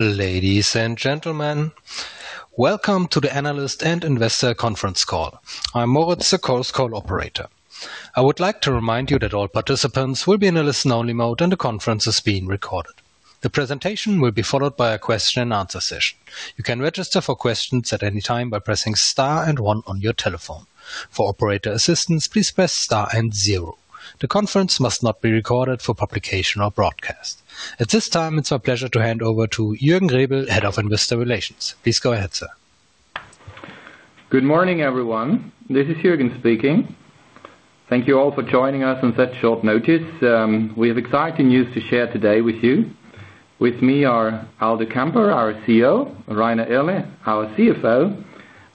Ladies and gentlemen, welcome to the Analyst and Investor conference call. I'm Moritz, the call operator. I would like to remind you that all participants will be in a listen-only mode, and the conference is being recorded. The presentation will be followed by a question and answer session. You can register for questions at any time by pressing star and one on your telephone. For operator assistance, please press star and zero. The conference must not be recorded for publication or broadcast. At this time, it's our pleasure to hand over to Jürgen Rebel, Head of Investor Relations. Please go ahead, sir. Good morning, everyone. This is Jürgen speaking. Thank you all for joining us on such short notice. We have exciting news to share today with you. With me are Aldo Kamper, our CEO, Rainer Irle, our CFO,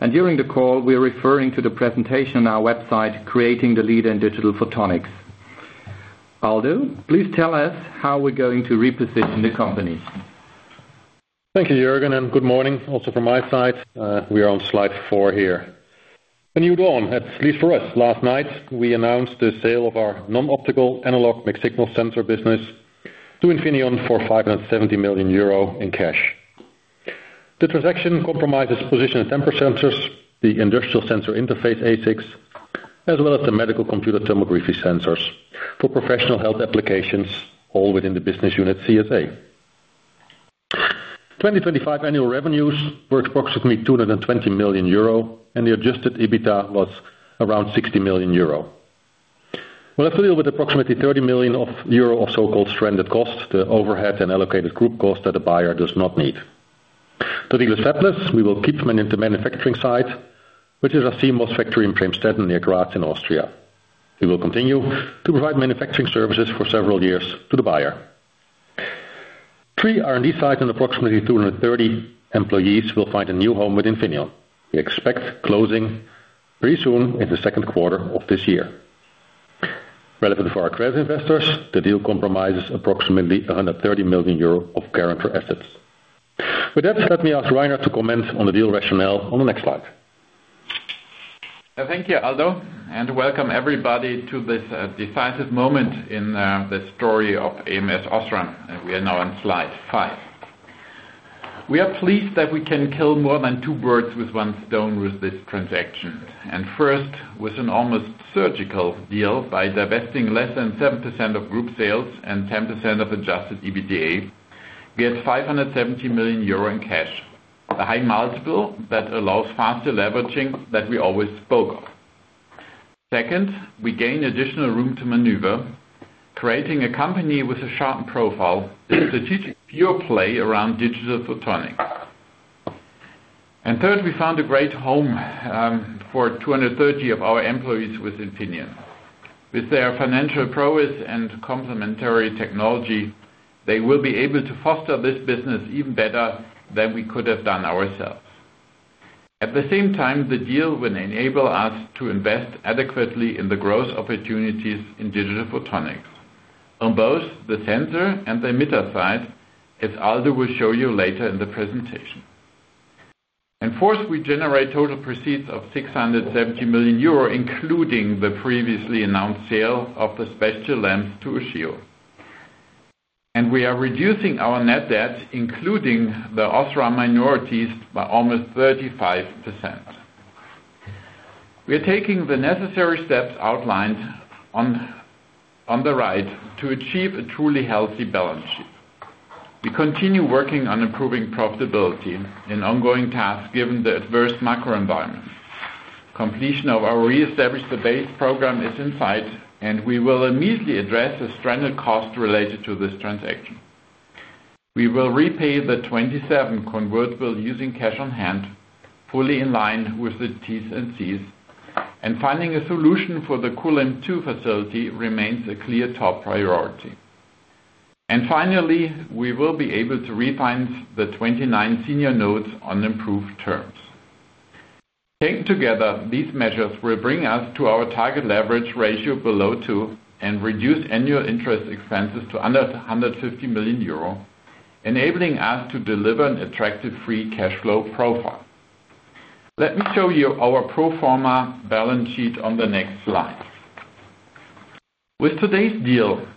and during the call, we are referring to the presentation on our website, Creating the Leader in Digital Photonics. Aldo, please tell us how we're going to reposition the company. Thank you, Jürgen, and good morning also from my side. We are on slide four here. A new dawn, at least for us. Last night, we announced the sale of our non-optical analog mixed signal sensor business to Infineon for 570 million euro in cash. The transaction comprises position and temperature sensors, the industrial sensor interface, ASICs, as well as the medical computed tomography sensors for professional health applications, all within the business unit, CSA. 2025 annual revenues were approximately 220 million euro, and the adjusted EBITDA was around 60 million euro. Well, that's a little bit, approximately 30 million euro of so-called stranded costs, the overhead and allocated group costs that the buyer does not need. To deal with that list, we will keep the manufacturing site, which is our CMOS factory in Premstätten, near Graz in Austria. We will continue to provide manufacturing services for several years to the buyer. Three R&D sites and approximately 230 employees will find a new home with Infineon. We expect closing pretty soon in the second quarter of this year. Relevant for our trade investors, the deal comprises approximately 130 million euro of current net assets. With that, let me ask Rainer to comment on the deal rationale on the next slide. Thank you, Aldo, and welcome everybody to this decisive moment in the story of ams OSRAM, and we are now on slide five. We are pleased that we can kill more than two birds with one stone with this transaction, and first, with an almost surgical deal, by divesting less than 7% of group sales and 10% of adjusted EBITDA, we had 570 million euro in cash, a high multiple that allows faster deleveraging that we always spoke of. Second, we gain additional room to maneuver, creating a company with a sharp profile, strategic pure play around digital photonics. And third, we found a great home for 230 of our employees with Infineon. With their financial prowess and complementary technology, they will be able to foster this business even better than we could have done ourselves. At the same time, the deal will enable us to invest adequately in the growth opportunities in digital photonics on both the sensor and the emitter side, as Aldo will show you later in the presentation. And fourth, we generate total proceeds of 670 million euro, including the previously announced sale of the special lamps to Ushio. And we are reducing our net debt, including the OSRAM minorities, by almost 35%. We are taking the necessary steps outlined on the right to achieve a truly healthy balance sheet. We continue working on improving profitability and ongoing tasks, given the adverse macro environment. Completion of our Re-Establish the Base program is in sight, and we will immediately address the stranded costs related to this transaction. We will repay the 2027 convertible using cash on hand, fully in line with the T's and C's, and finding a solution for the Kulim 2 facility remains a clear top priority. Finally, we will be able to refinance the 2029 senior notes on improved terms. Taken together, these measures will bring us to our target leverage ratio below two and reduce annual interest expenses to under 150 million euro, enabling us to deliver an attractive free cash flow profile. Let me show you our pro forma balance sheet on the next slide. With today's deal,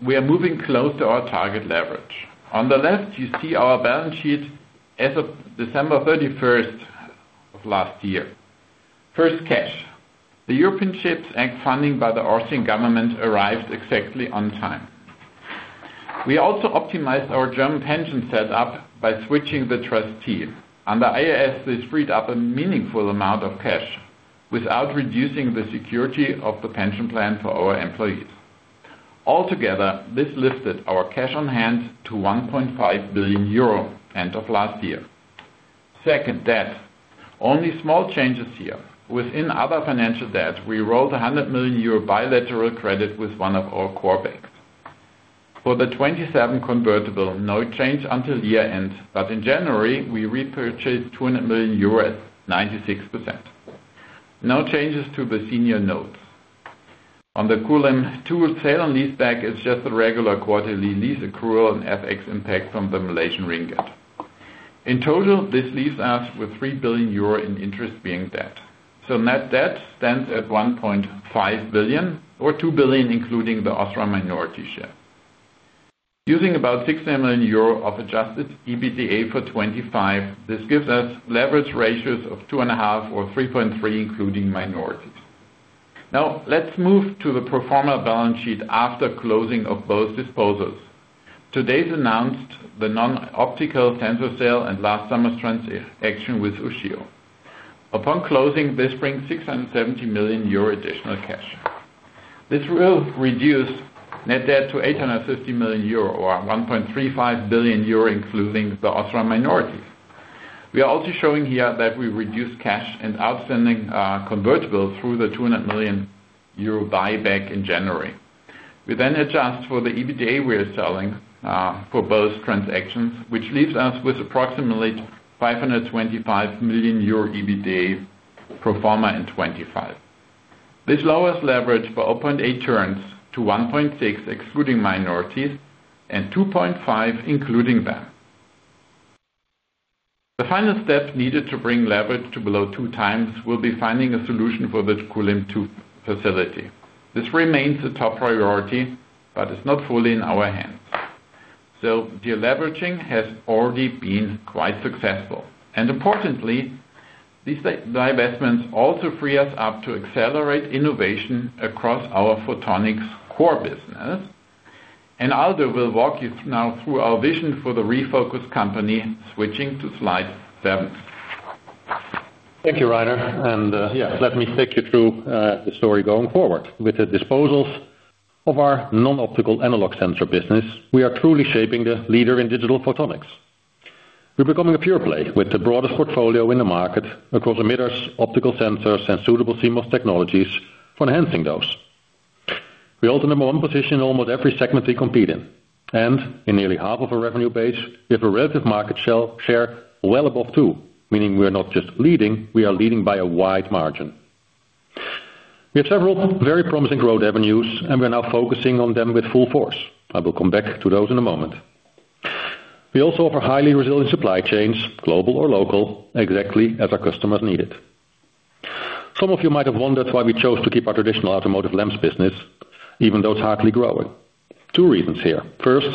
we are moving close to our target leverage. On the left, you see our balance sheet as of December 31st of last year. First, cash. The European Chips Act funding by the Austrian government arrived exactly on time. We also optimized our German pension set up by switching the trustee. Under IAS, this freed up a meaningful amount of cash without reducing the security of the pension plan for our employees. Altogether, this lifted our cash on hand to 1.5 billion euro, end of last year. Second, debt. Only small changes here. Within other financial debt, we rolled 100 million euro bilateral credit with one of our core banks. For the 2027 convertible, no change until year-end, but in January, we repurchased 200 million euros, 96%. No changes to the senior notes. On the Kulim 2 sale and leaseback, it's just a regular quarterly lease accrual and FX impact from the Malaysian ringgit. In total, this leaves us with 3 billion euro in interest-bearing debt. So net debt stands at 1.5 billion or 2 billion, including the OSRAM minority share. Using about 6 million euro of adjusted EBITDA for 2025, this gives us leverage ratios of 2.5 or 3.3, including minorities. Now, let's move to the pro forma balance sheet after closing of both disposals. Today announced the non-optical sensor sale and last summer's transaction with Ushio. Upon closing, this brings 670 million euro additional cash. This will reduce net debt to 850 million euro or 1.35 billion euro, including the OSRAM minorities. We are also showing here that we reduced cash and outstanding convertible through the 200 million euro buyback in January. We then adjust for the EBITDA we are selling for both transactions, which leaves us with approximately 525 million euro EBITDA pro forma in 2025. This lowers leverage for 0.8 turns to 1.6, excluding minorities, and 2.5, including them. The final step needed to bring leverage to below 2x will be finding a solution for the Kulim 2 facility. This remains a top priority, but it's not fully in our hands. So deleveraging has already been quite successful. And importantly, these divestments also free us up to accelerate innovation across our photonics core business. And Aldo will walk you now through our vision for the refocused company, switching to slide seven. Thank you, Rainer. Yeah, let me take you through the story going forward. With the disposals of our non-optical analog sensor business, we are truly shaping the leader in digital photonics. We're becoming a pure play with the broadest portfolio in the market across emitters, optical sensors, and suitable CMOS technologies for enhancing those. We hold the number one position in almost every segment we compete in, and in nearly half of our revenue base, we have a relative market share well above two, meaning we are not just leading, we are leading by a wide margin. We have several very promising growth avenues, and we're now focusing on them with full force. I will come back to those in a moment. We also offer highly resilient supply chains, global or local, exactly as our customers need it. Some of you might have wondered why we chose to keep our traditional automotive lamps business, even though it's hardly growing. Two reasons here. First,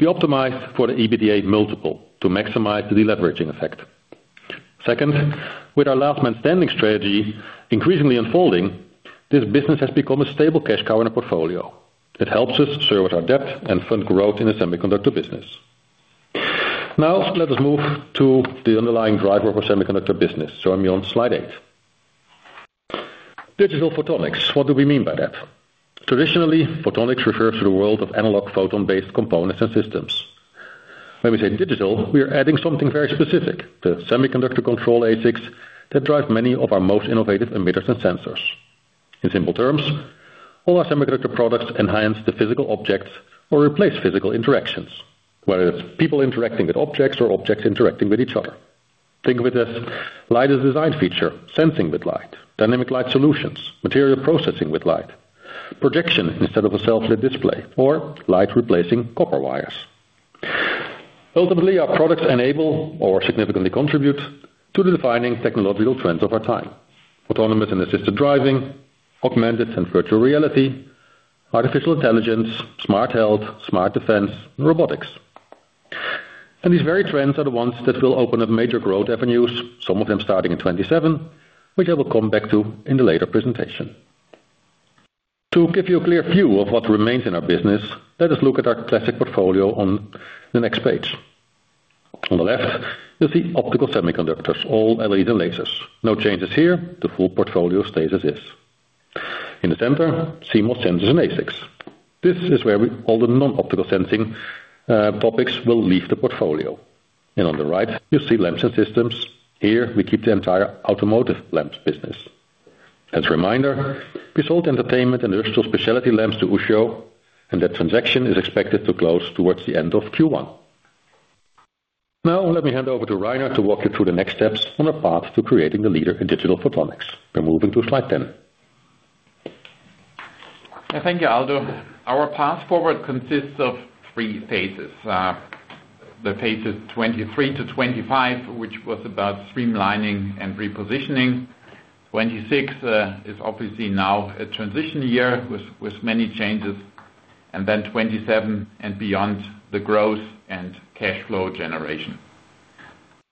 we optimized for the EBITDA multiple to maximize the deleveraging effect. Second, with our last man standing strategy increasingly unfolding, this business has become a stable cash cow in our portfolio. It helps us serve with our debt and fund growth in the semiconductor business. Now, let us move to the underlying driver of our semiconductor business. So I'm on slide eight. Digital photonics. What do we mean by that? Traditionally, photonics refers to the world of analog photon-based components and systems. When we say digital, we are adding something very specific, the semiconductor control ASICs that drive many of our most innovative emitters and sensors. In simple terms, all our semiconductor products enhance the physical objects or replace physical interactions, whether it's people interacting with objects or objects interacting with each other. Think of it as light as a design feature, sensing with light, dynamic light solutions, material processing with light, projection instead of a self-lit display, or light replacing copper wires. Ultimately, our products enable or significantly contribute to the defining technological trends of our time: autonomous and assisted driving, augmented and virtual reality, artificial intelligence, smart health, smart defense, and robotics. These very trends are the ones that will open up major growth avenues, some of them starting in 2027, which I will come back to in the later presentation. To give you a clear view of what remains in our business, let us look at our classic portfolio on the next page. On the left, you'll see optical semiconductors, all LEDs and lasers. No changes here, the full portfolio stays as is. In the center, CMOS, sensors, and ASICs. This is where all the non-optical sensing topics will leave the portfolio. And on the right, you see lamps and systems. Here, we keep the entire automotive lamps business. As a reminder, we sold entertainment and industrial specialty lamps to Ushio, and that transaction is expected to close towards the end of Q1. Now, let me hand over to Rainer to walk you through the next steps on the path to Creating the Leader in Digital Photonics. We're moving to slide 10. Thank you, Aldo. Our path forward consists of three phases. The phases 2023-2025, which was about streamlining and repositioning. 2026 is obviously now a transition year with, with many changes, and then 2027 and beyond, the growth and cash flow generation.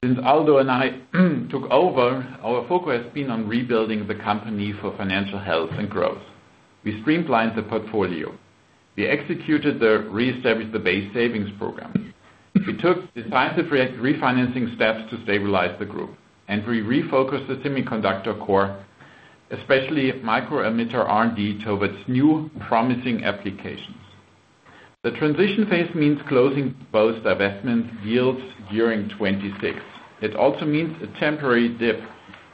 Since Aldo and I took over, our focus has been on rebuilding the company for financial health and growth. We streamlined the portfolio. We executed the Reestablish the Base savings program. We took decisive refinancing steps to stabilize the group, and we refocused the semiconductor core, especially micro emitter R&D, towards new promising applications. The transition phase means closing both divestment deals during 2026. It also means a temporary dip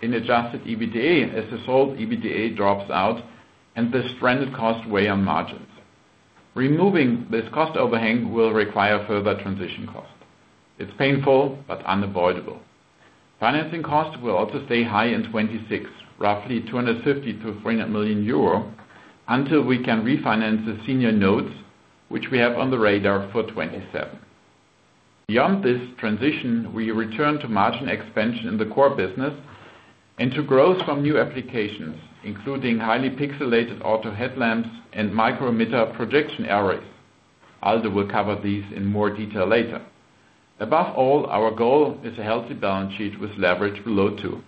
in adjusted EBITDA as the sold EBITDA drops out and the stranded costs weigh on margins. Removing this cost overhang will require further transition costs. It's painful, but unavoidable. Financing costs will also stay high in 2026, roughly 250 million-300 million euro, until we can refinance the senior notes, which we have on the radar for 2027. Beyond this transition, we return to margin expansion in the core business and to growth from new applications, including highly pixelated auto headlamps and micro emitter projection arrays. Aldo will cover these in more detail later. Above all, our goal is a healthy balance sheet with leverage below 2.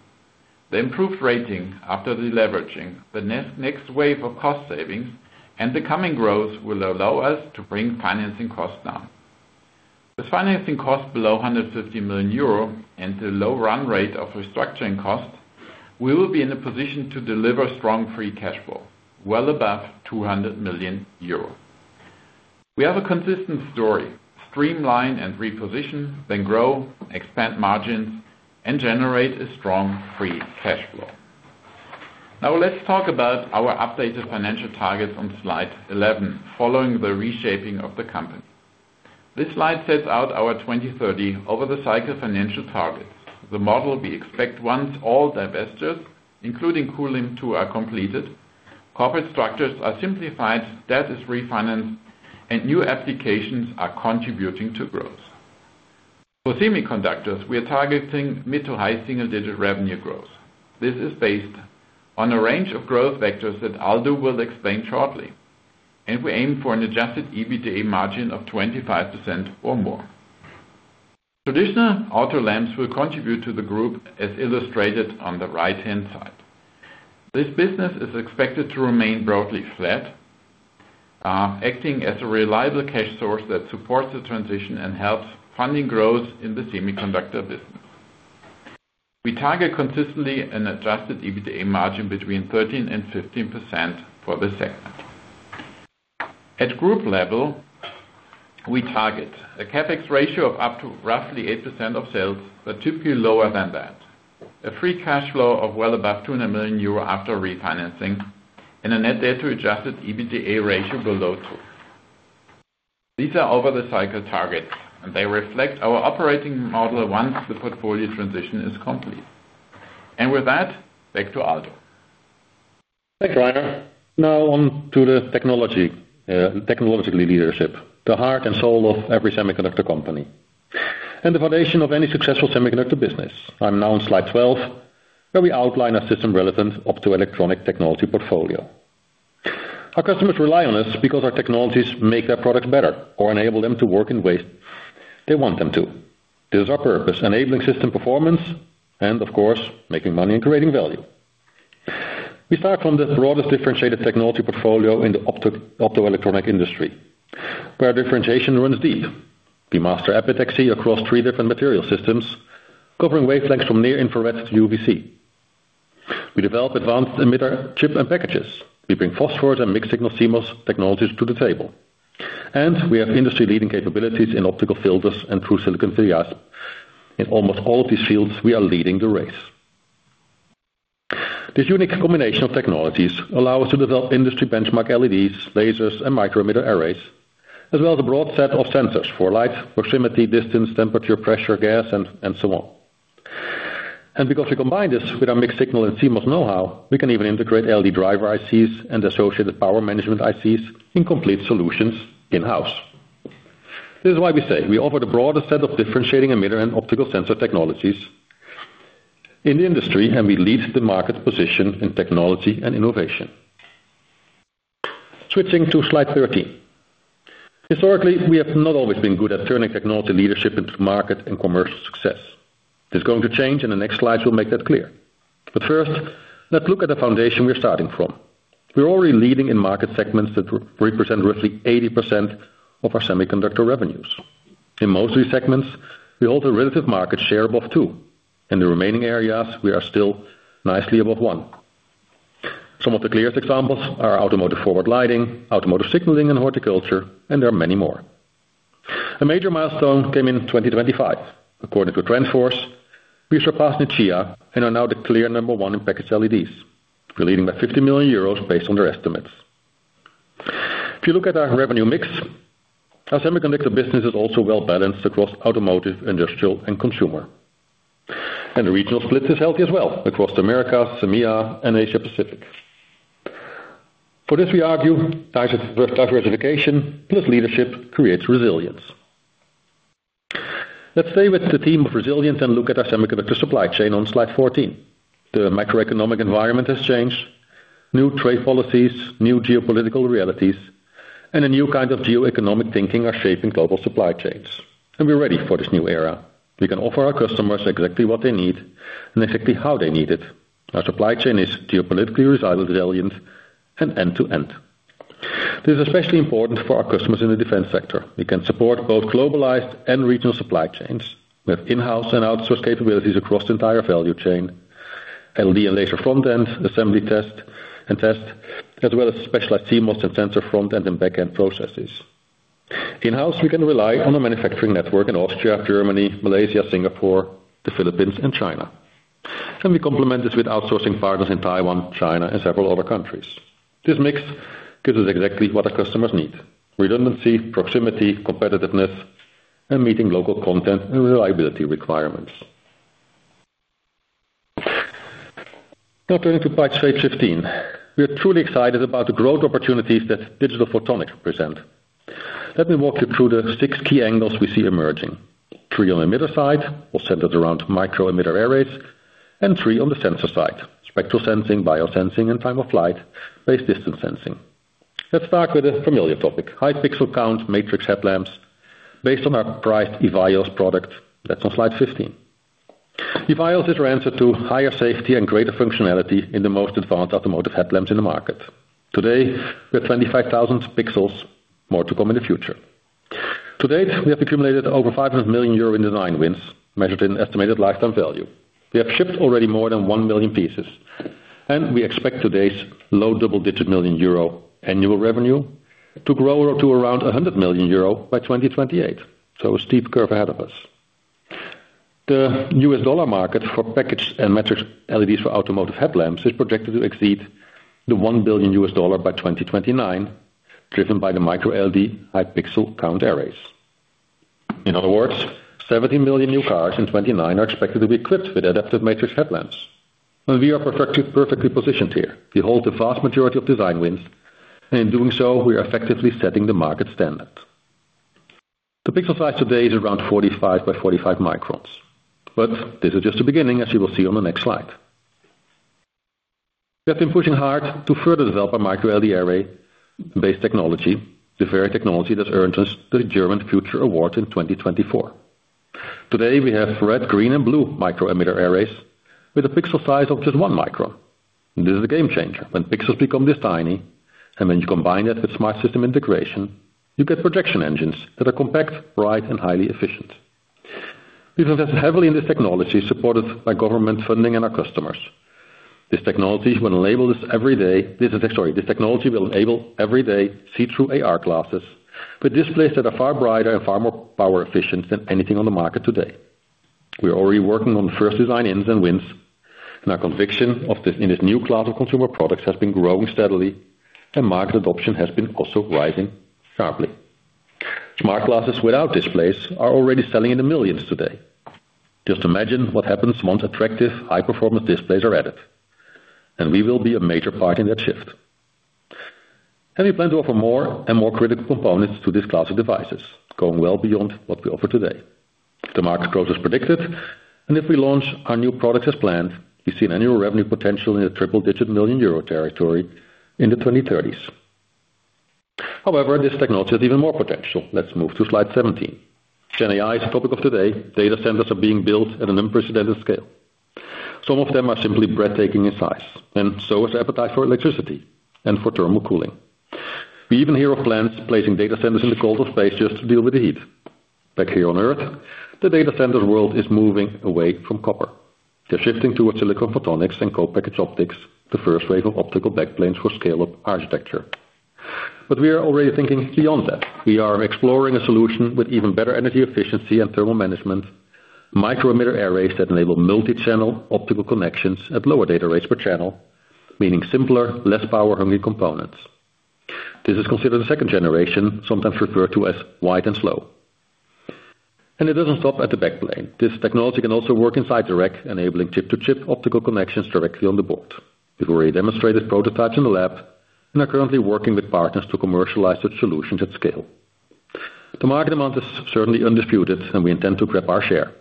The improved rating after the leveraging, the next wave of cost savings and the coming growth will allow us to bring financing costs down. With financing costs below 150 million euro and the low run rate of restructuring costs, we will be in a position to deliver strong free cash flow, well above 200 million euro. We have a consistent story. Streamline and reposition, then grow, expand margins, and generate a strong free cash flow. Now, let's talk about our updated financial targets on slide 11, following the reshaping of the company. This slide sets out our 2030 over the cycle financial target. The model we expect once all divestitures, including Kulim 2, are completed, corporate structures are simplified, debt is refinanced, and new applications are contributing to growth. For semiconductors, we are targeting mid-to-high single-digit revenue growth. This is based on a range of growth vectors that Aldo will explain shortly, and we aim for an adjusted EBITDA margin of 25% or more. Traditional auto lamps will contribute to the group, as illustrated on the right-hand side. This business is expected to remain broadly flat, acting as a reliable cash source that supports the transition and helps funding growth in the semiconductor business. We target consistently an adjusted EBITDA margin between 13% and 15% for the segment. At group level, we target a CapEx ratio of up to roughly 8% of sales, but typically lower than that. A free cash flow of well above 200 million euro after refinancing, and a net debt to adjusted EBITDA ratio below two. These are over the cycle targets, and they reflect our operating model once the portfolio transition is complete. And with that, back to Aldo. Thanks, Rainer. Now on to the technology, technological leadership, the heart and soul of every semiconductor company, and the foundation of any successful semiconductor business. I'm now on slide 12, where we outline our system relevant optoelectronic technology portfolio. Our customers rely on us because our technologies make their products better or enable them to work in ways they want them to. This is our purpose, enabling system performance and of course, making money and creating value. We start from the broadest differentiated technology portfolio in the optoelectronic industry, where differentiation runs deep. We master epitaxy across three different material systems, covering wavelengths from near-infrared to UVC. We develop advanced emitter chip and packages. We bring phosphors and mixed-signal CMOS technologies to the table. And we have industry-leading capabilities in optical filters and through-silicon via. In almost all of these fields, we are leading the race. This unique combination of technologies allow us to develop industry benchmark LEDs, lasers, and micro emitter arrays, as well as a broad set of sensors for light, proximity, distance, temperature, pressure, gas, and so on. And because we combine this with our mixed-signal and CMOS know-how, we can even integrate LED driver ICs and associated power management ICs in complete solutions in-house. This is why we say we offer the broadest set of differentiating emitter and optical sensor technologies in the industry, and we lead the market position in technology and innovation. Switching to slide 13. Historically, we have not always been good at turning technology leadership into market and commercial success. This is going to change, and the next slides will make that clear. First, let's look at the foundation we're starting from. We're already leading in market segments that represent roughly 80% of our semiconductor revenues. In most of these segments, we hold a relative market share above two. In the remaining areas, we are still nicely above one. Some of the clearest examples are automotive forward lighting, automotive signaling, and horticulture, and there are many more. A major milestone came in 2025. According to TrendForce, we surpassed Nichia and are now the clear number one in packaged LEDs. We're leading by 50 million euros based on their estimates. If you look at our revenue mix, our semiconductor business is also well-balanced across automotive, industrial, and consumer. And the regional split is healthy as well, across Americas, EMEA, and Asia Pacific. For this, we argue diversification plus leadership creates resilience. Let's stay with the theme of resilience and look at our semiconductor supply chain on slide 14. The macroeconomic environment has changed. New trade policies, new geopolitical realities, and a new kind of geoeconomic thinking are shaping global supply chains, and we're ready for this new era. We can offer our customers exactly what they need and exactly how they need it. Our supply chain is geopolitically resilient, and end-to-end. This is especially important for our customers in the defense sector. We can support both globalized and regional supply chains. We have in-house and outsourced capabilities across the entire value chain, LED and laser front-end, assembly, test, and test, as well as specialized CMOS and sensor front-end and back-end processes. In-house, we can rely on a manufacturing network in Austria, Germany, Malaysia, Singapore, the Philippines, and China. We complement this with outsourcing partners in Taiwan, China, and several other countries. This mix gives us exactly what our customers need: redundancy, proximity, competitiveness, and meeting local content and reliability requirements. Now turning to page 15. We are truly excited about the growth opportunities that digital photonics present. Let me walk you through the six key angles we see emerging. Three on emitter side, all centered around micro emitter arrays, and three on the sensor side: spectral sensing, biosensing, and time-of-flight-based distance sensing. Let's start with a familiar topic, high pixel count, matrix headlamps, based on our priced EVIYOS product. That's on slide 15. EVIYOS is our answer to higher safety and greater functionality in the most advanced automotive headlamps in the market. Today, we have 25,000 pixels, more to come in the future. To date, we have accumulated over 500 million euro in design wins, measured in estimated lifetime value. We have shipped already more than 1 million pieces, and we expect today's low double-digit million EUR annual revenue to grow to around 100 million euro by 2028. So a steep curve ahead of us. The US dollar market for packaged and metrics LEDs for automotive headlamps is projected to exceed $1 billion by 2029, driven by the micro-LED high pixel count arrays. In other words, 70 million new cars in 2029 are expected to be equipped with adaptive matrix headlamps. And we are perfectly, perfectly positioned here. We hold the vast majority of design wins, and in doing so, we are effectively setting the market standard. The pixel size today is around 45 by 45 microns, but this is just the beginning, as you will see on the next slide. We have been pushing hard to further develop our micro-LED array-based technology, the very technology that earned us the German Future Award in 2024. Today, we have red, green, and blue micro emitter arrays with a pixel size of just one micro. This is a game changer. When pixels become this tiny, and when you combine that with smart system integration, you get projection engines that are compact, bright, and highly efficient. We invest heavily in this technology, supported by government funding and our customers. This technology will enable every day see-through AR glasses, with displays that are far brighter and far more power efficient than anything on the market today. We are already working on the first design ins and wins, and our conviction of this, in this new class of consumer products has been growing steadily, and market adoption has been also rising sharply. Smart glasses without displays are already selling in the millions today. Just imagine what happens once attractive, high-performance displays are added, and we will be a major part in that shift. We plan to offer more and more critical components to this class of devices, going well beyond what we offer today. If the market grows as predicted, and if we launch our new products as planned, we see an annual revenue potential in the triple-digit million EUR territory in the 2030s. However, this technology has even more potential. Let's move to slide 17. Gen AI is the topic of today. Data centers are being built at an unprecedented scale. Some of them are simply breathtaking in size, and so is appetite for electricity and for thermal cooling. We even hear of plans placing data centers in the cold of space just to deal with the heat. Back here on Earth, the data centers world is moving away from copper. They're shifting towards silicon photonics and co-packaged optics, the first wave of optical backplanes for scale-up architecture. But we are already thinking beyond that. We are exploring a solution with even better energy efficiency and thermal management, micro emitter arrays that enable multi-channel optical connections at lower data rates per channel, meaning simpler, less power-hungry components. This is considered the second generation, sometimes referred to as wide and slow, and it doesn't stop at the back plane. This technology can also work inside the rack, enabling chip-to-chip optical connections directly on the board. We've already demonstrated prototypes in the lab, and are currently working with partners to commercialize the solutions at scale. The market demand is certainly undisputed, and we intend to grab our share.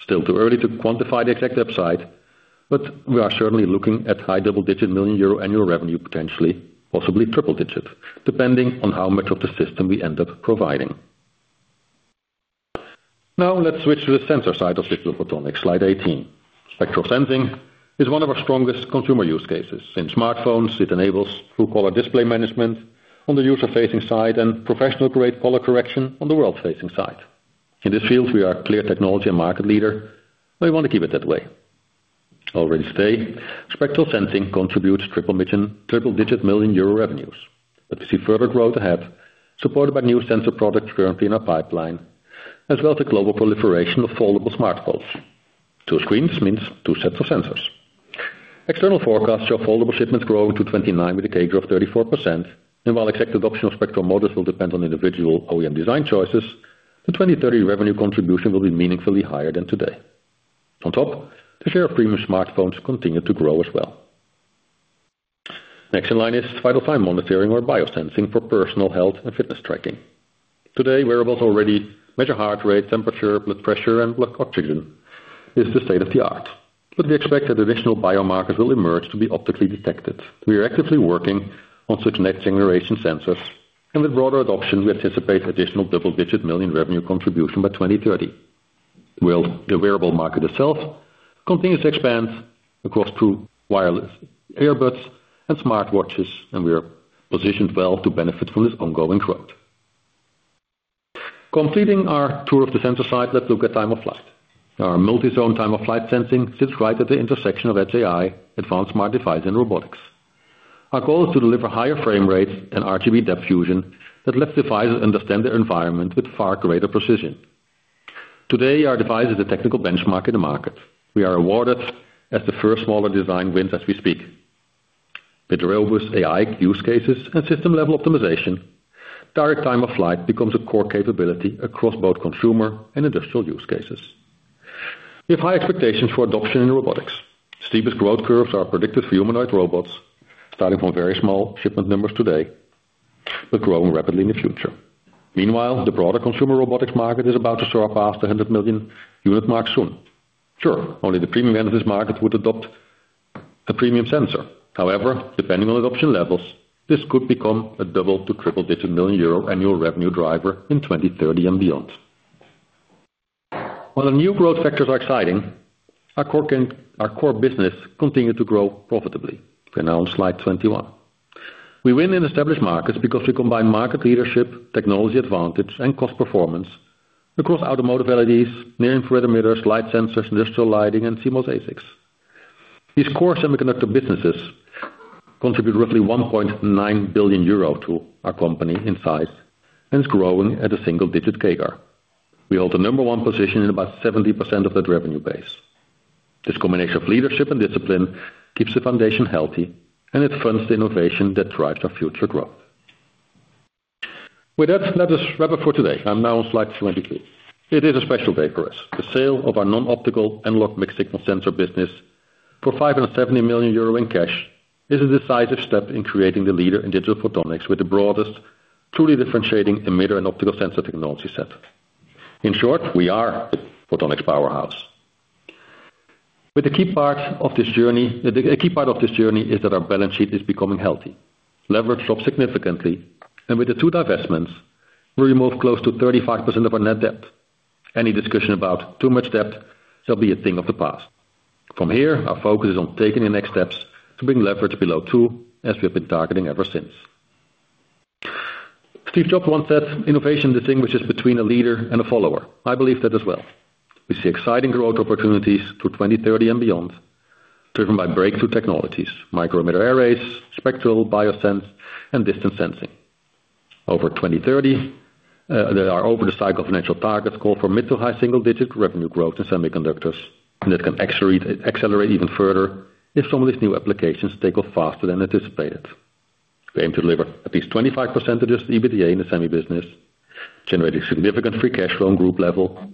Still too early to quantify the exact upside, but we are certainly looking at high double-digit million EUR annual revenue, potentially, possibly triple digits, depending on how much of the system we end up providing. Now, let's switch to the sensor side of Digital Photonics. Slide 18. Spectral sensing is one of our strongest consumer use cases. In smartphones, it enables true color display management on the user-facing side and professional-grade color correction on the world-facing side. In this field, we are a clear technology and market leader, and we want to keep it that way. Already today, spectral sensing contributes triple-digit million EUR revenues. But we see further growth ahead, supported by new sensor products currently in our pipeline, as well as the global proliferation of foldable smartphones. Two screens means two sets of sensors. External forecasts show foldable shipments growing to 29 with a CAGR of 34%. And while exact adoption of spectral models will depend on individual OEM design choices, the 2030 revenue contribution will be meaningfully higher than today. On top, the share of premium smartphones continue to grow as well. Next in line is vital sign monitoring or biosensing for personal health and fitness tracking. Today, wearables already measure heart rate, temperature, blood pressure, and blood oxygen. This is the state-of-the-art, but we expect that additional biomarkers will emerge to be optically detected. We are actively working on such next-generation sensors, and with broader adoption, we anticipate additional double-digit million revenue contribution by 2030. Well, the wearable market itself continues to expand across true wireless earbuds and smartwatches, and we are positioned well to benefit from this ongoing growth. Completing our tour of the sensor side, let's look at time of flight. Our multi-zone time-of-flight sensing sits right at the intersection of edge AI, advanced smart device, and robotics. Our goal is to deliver higher frame rates and RGB depth fusion that lets devices understand their environment with far greater precision. Today, our device is a technical benchmark in the market. We are awarded as the first smaller design win as we speak. With robust AI use cases and system-level optimization, direct time-of-flight becomes a core capability across both consumer and industrial use cases. We have high expectations for adoption in robotics. Steepest growth curves are predicted for humanoid robots, starting from very small shipment numbers today, but growing rapidly in the future. Meanwhile, the broader consumer robotics market is about to soar past the 100 million unit mark soon. Sure, only the premium end of this market would adopt a premium sensor. However, depending on adoption levels, this could become a double- to triple-digit million EUR annual revenue driver in 2030 and beyond. While the new growth factors are exciting, our core business continue to grow profitably. We're now on slide 21. We win in established markets because we combine market leadership, technology advantage, and cost performance across automotive LEDs, near-infrared emitters, light sensors, industrial lighting, and CMOS ASICs. These core semiconductor businesses contribute roughly 1.9 billion euro to our company in size and is growing at a single-digit CAGR. We hold the number one position in about 70% of that revenue base. This combination of leadership and discipline keeps the foundation healthy, and it funds the innovation that drives our future growth. With that, let us wrap up for today. I'm now on slide 22. It is a special day for us. The sale of our non-optical analog mixed signal sensor business for 570 million euro in cash is a decisive step in creating the leader in digital photonics with the broadest, truly differentiating emitter and optical sensor technology set. In short, we are a photonics powerhouse. But the key part of this journey is that our balance sheet is becoming healthy. Leverage dropped significantly, and with the two divestments, we removed close to 35% of our net debt. Any discussion about too much debt shall be a thing of the past. From here, our focus is on taking the next steps to bring leverage below two, as we have been targeting ever since. Steve Jobs once said, "Innovation distinguishes between a leader and a follower." I believe that as well. We see exciting growth opportunities through 2030 and beyond, driven by breakthrough technologies, micro emitter arrays, spectral, biosensing, and distance sensing. Over 2030, there are over the cycle, financial targets call for mid- to high single-digit revenue growth in semiconductors, and that can accelerate even further if some of these new applications take off faster than anticipated. We aim to deliver at least 25% of just EBITDA in the semi business, generating significant free cash flow on group level,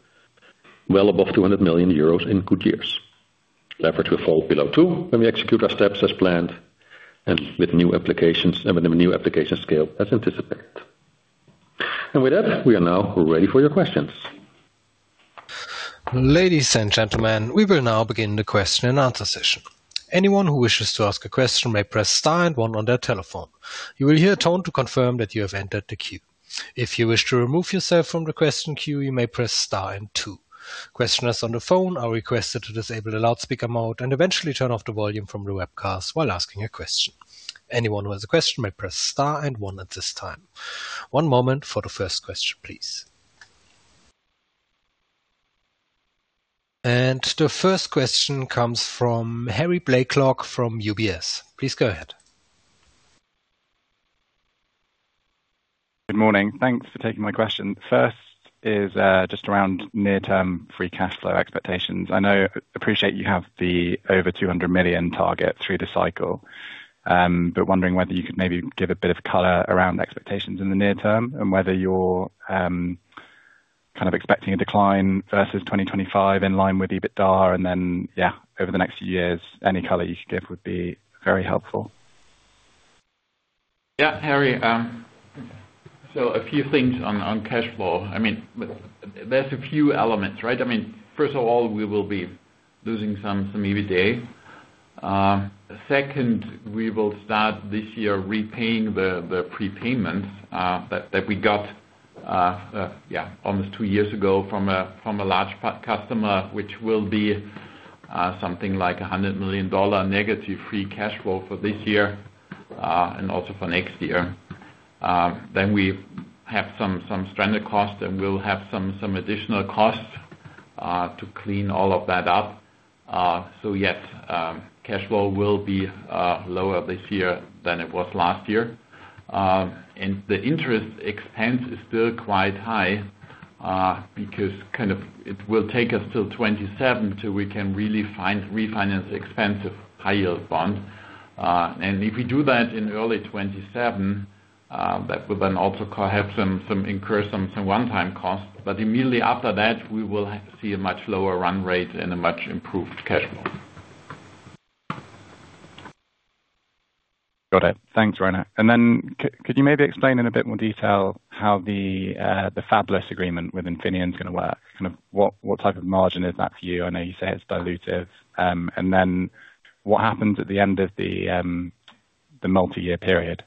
well above 200 million euros in good years. Leverage will fall below two, when we execute our steps as planned, and with new applications, and when the new application scale as anticipated. With that, we are now ready for your questions. Ladies and gentlemen, we will now begin the question and answer session. Anyone who wishes to ask a question may press star and one on their telephone. You will hear a tone to confirm that you have entered the queue. If you wish to remove yourself from the question queue, you may press star and two. Questioners on the phone are requested to disable the loudspeaker mode and eventually turn off the volume from the webcast while asking a question. Anyone who has a question may press star and one at this time. One moment for the first question, please. And the first question comes from Harry Blaiklock, from UBS. Please go ahead. Good morning. Thanks for taking my question. First is just around near-term free cash flow expectations. I know, appreciate you have the over 200 million target through the cycle, but wondering whether you could maybe give a bit of color around expectations in the near term, and whether you're kind of expecting a decline versus 2025 in line with EBITDA, and then, yeah, over the next few years, any color you should give would be very helpful. Yeah, Harry, so a few things on cash flow. I mean, there's a few elements, right? I mean, first of all, we will be losing some EBITDA. Second, we will start this year repaying the prepayment that we got, yeah, almost two years ago from a large customer, which will be something like a $100 million negative free cash flow for this year, and also for next year. Then we have some stranded costs, and we'll have some additional costs to clean all of that up. So yes, cash flow will be lower this year than it was last year. And the interest expense is still quite high, because kind of it will take us till 2027 till we can really refinance expensive high-yield bonds. And if we do that in early 2027, that will then also incur some one-time costs. But immediately after that, we will have to see a much lower run rate and a much improved cash flow. Got it. Thanks, Rainer. And then could you maybe explain in a bit more detail how the fabless agreement with Infineon is gonna work? Kind of what, what type of margin is that for you? I know you say it's dilutive. And then what happens at the end of the multi-year period?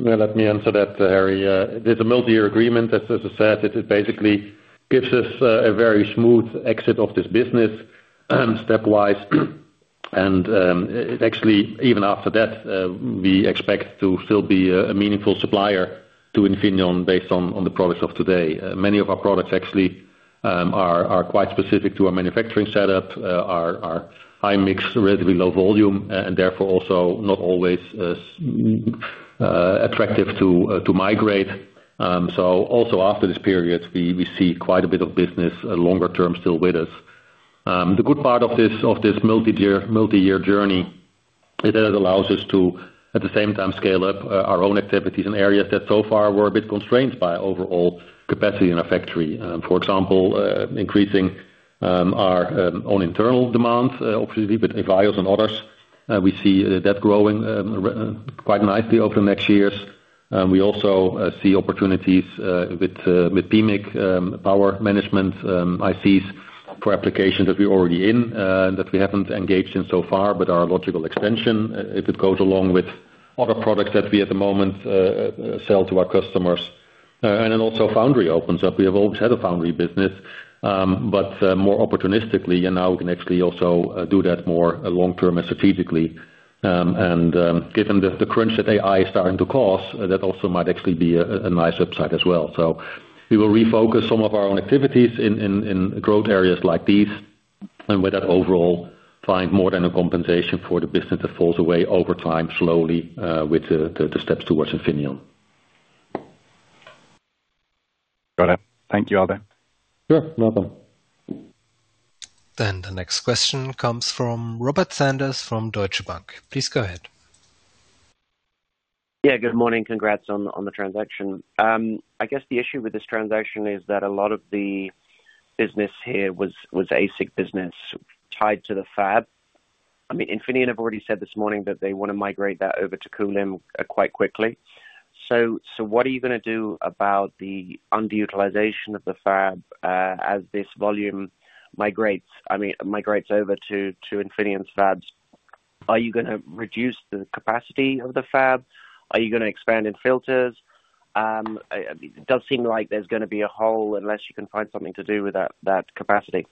Well, let me answer that, Harry. There's a multi-year agreement that, as I said, it basically gives us a very smooth exit of this business, stepwise. It actually, even after that, we expect to still be a meaningful supplier to Infineon, based on the products of today. Many of our products actually are quite specific to our manufacturing setup, our high mix, relatively low volume, and therefore also not always attractive to migrate. So also after this period, we see quite a bit of business, longer term still with us. The good part of this multi-year journey is that it allows us to, at the same time, scale up our own activities in areas that so far were a bit constrained by overall capacity in our factory. For example, increasing our own internal demand, obviously, with EVIYOS and others, we see that growing quite nicely over the next years. We also see opportunities with PMIC, power management ICs for applications that we're already in, that we haven't engaged in so far, but are a logical extension, if it goes along with other products that we, at the moment, sell to our customers. And then also foundry opens up. We have always had a foundry business, but more opportunistically, and now we can actually also do that more long-term and strategically. And given the crunch that AI is starting to cause, that also might actually be a nice upside as well. So we will refocus some of our own activities in growth areas like these, and with that overall, find more than a compensation for the business that falls away over time, slowly, with the steps towards Infineon. Got it. Thank you, Aldo. Sure, no problem. Then the next question comes from Robert Sanders from Deutsche Bank. Please go ahead. Yeah, good morning. Congrats on the transaction. I guess the issue with this transaction is that a lot of the business here was ASIC business tied to the fab. I mean, Infineon have already said this morning that they want to migrate that over to Kulim quite quickly. So what are you gonna do about the underutilization of the fab as this volume migrates? I mean, migrates over to Infineon's fabs. Are you gonna reduce the capacity of the fab? Are you gonna expand in filters? It does seem like there's gonna be a hole, unless you can find something to do with that capacity.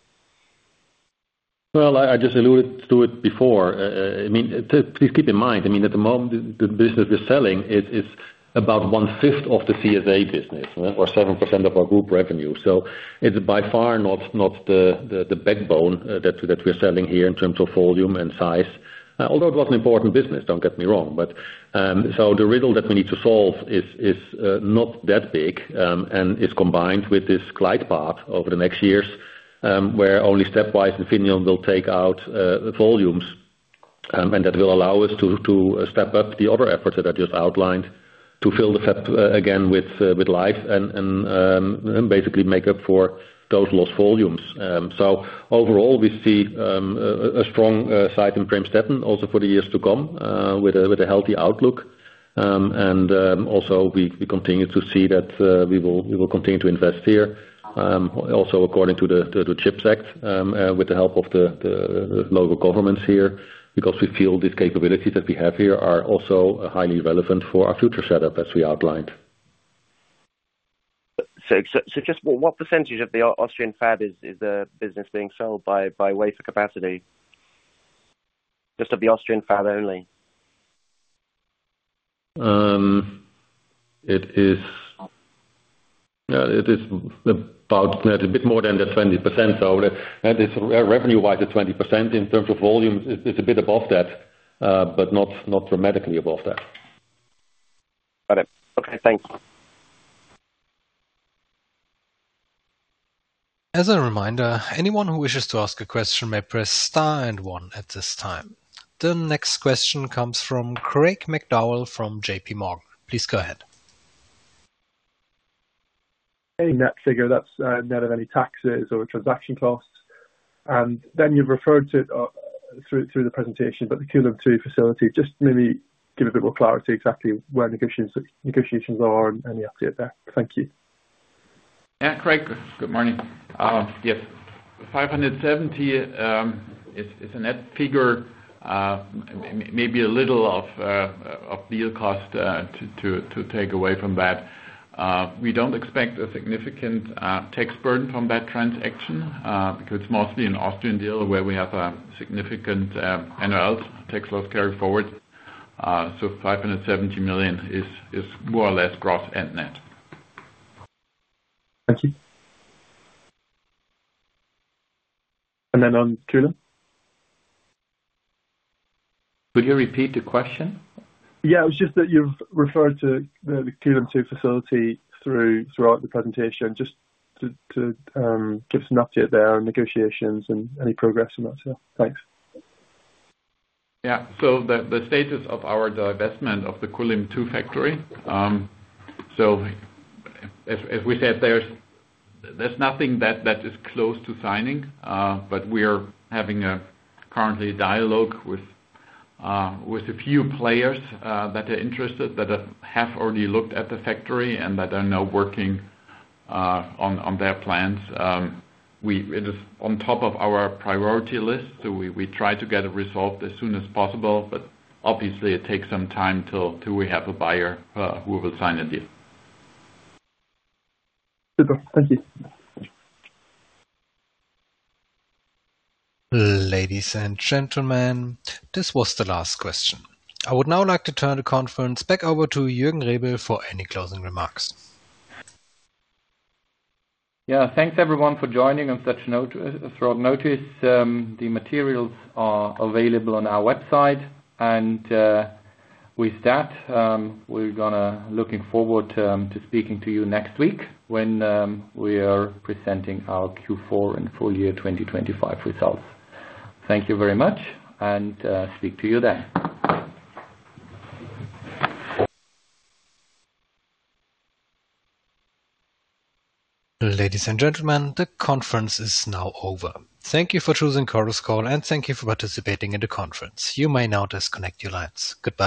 Well, I just alluded to it before. I mean, please keep in mind, I mean, at the moment, the business we're selling is about one-fifth of the CSA business, or 7% of our group revenue. So it's by far not the backbone that we're selling here in terms of volume and size. Although it was an important business, don't get me wrong. But, so the riddle that we need to solve is not that big, and is combined with this glide path over the next years, where only stepwise Infineon will take out volumes. And that will allow us to step up the other efforts that I just outlined, to fill the fab again, with life and basically make up for those lost volumes. So overall, we see a strong side in Premstätten also for the years to come with a healthy outlook. Also we continue to see that we will continue to invest here also according to the CHIPS Act with the help of the global governments here, because we feel these capabilities that we have here are also highly relevant for our future setup, as we outlined. So just what percentage of the Austrian fab is business being sold by way of capacity? Just of the Austrian fab only. It is about a bit more than the 20%. So, and it's revenue-wise, the 20%, in terms of volume, it's a bit above that, but not, not dramatically above that. Got it. Okay, thank you. As a reminder, anyone who wishes to ask a question may press star and one at this time. The next question comes from Craig McDowell, from JPMorgan. Please go ahead. Any net figure that's net of any taxes or transaction costs? And then you've referred to through the presentation, but the Kulim 2 facility, just maybe give a bit more clarity exactly where negotiations are and any update there. Thank you. Yeah, Craig, good morning. Yes, 570 million is a net figure, maybe a little of deal cost to take away from that. We don't expect a significant tax burden from that transaction, because it's mostly an Austrian deal where we have a significant NOL, tax loss carry forward. So 570 million is more or less gross and net. Thank you. And then on Kulim? Would you repeat the question? Yeah, it's just that you've referred to the Kulim 2 facility throughout the presentation, just to give us an update there on negotiations and any progress on that. So thanks. Yeah. So the status of our divestment of the Kulim 2 factory, so as we said, there's nothing that is close to signing, but we are having a current dialogue with a few players that are interested, that have already looked at the factory and that are now working on their plans. We—It is on top of our priority list, so we try to get it resolved as soon as possible, but obviously it takes some time till we have a buyer who will sign the deal. Super. Thank you. Ladies and gentlemen, this was the last question. I would now like to turn the conference back over to Jürgen Rebel for any closing remarks. Yeah. Thanks, everyone, for joining on such short notice. The materials are available on our website, and with that, we're looking forward to speaking to you next week, when we are presenting our Q4 and full year 2025 results. Thank you very much, and speak to you then. Ladies and gentlemen, the conference is now over. Thank you for choosing Chorus Call, and thank you for participating in the conference. You may now disconnect your lines. Goodbye.